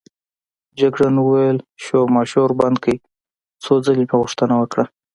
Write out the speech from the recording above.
جګړن وویل: شورماشور بند کړئ، څو ځلې مې غوښتنه وکړه.